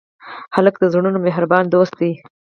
هلک د زړونو مهربان دوست دی.